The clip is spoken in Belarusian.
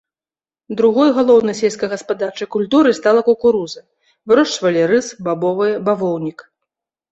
Другой галоўнай сельскагаспадарчай культурай стала кукуруза, вырошчвалі рыс, бабовыя, бавоўнік.